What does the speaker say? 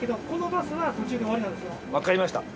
わかりました。